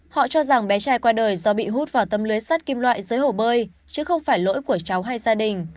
họ cho rằng bé trai qua đời do bị hút vào tâm lưới sắt kim loại dưới hổ bơi chứ không phải lỗi của cháu hay gia đình